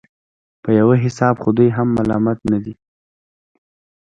په يو حساب خو دوى هم نه دي ملامت.